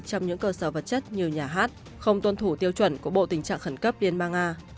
trong những cơ sở vật chất như nhà hát không tuân thủ tiêu chuẩn của bộ tình trạng khẩn cấp liên bang nga